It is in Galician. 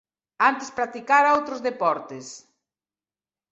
Antes practicara outros deportes.